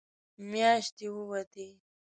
مياشتې ووتې.